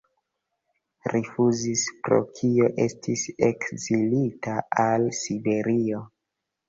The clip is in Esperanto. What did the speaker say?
Rifuzis, pro kio estis ekzilita al Siberio.